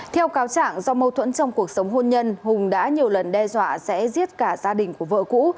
theo cáo trạng do mâu thuẫn trong cuộc sống hôn nhân hùng đã nhiều lần đe dọa sẽ giết cả gia đình của vợ cũ